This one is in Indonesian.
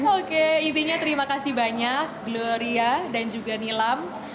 oke intinya terima kasih banyak gloria dan juga nilam